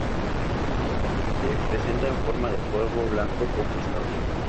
Se presenta en forma de polvo blanco poco estable.